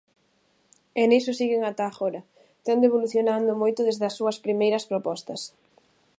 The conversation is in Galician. E niso seguen ata agora, tendo evolucionado moito desde as súas primeiras propostas.